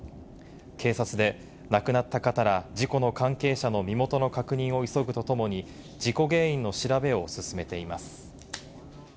警察で亡くなった方ら、事故の関係者の身元の確認を急ぐとともに、事故原因の調べを進めています。